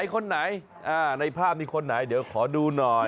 คนไหนในภาพนี้คนไหนเดี๋ยวขอดูหน่อย